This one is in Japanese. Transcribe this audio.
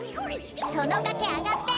そのがけあがって！